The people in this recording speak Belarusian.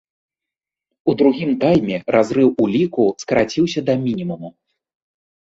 У другім тайме разрыў у ліку скараціўся да мінімуму.